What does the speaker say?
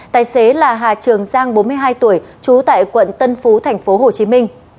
tài xế là hà trường giang bốn mươi hai tuổi trú tại quận tân phú tp hcm